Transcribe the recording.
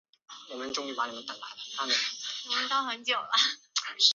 车身采用了铝合金双皮层构造。